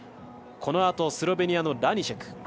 このあとスロベニアのラニシェク。